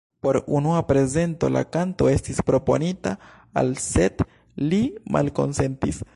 Por unua prezento la kanto estis proponita al sed li malkonsentis.